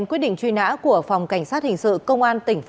xin chào các bạn